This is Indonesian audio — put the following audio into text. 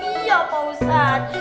iya pak ustadz